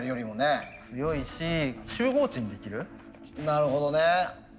なるほどね。